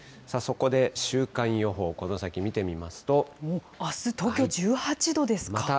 そこで週間予報、この先見てみまあす、東京１８度ですか。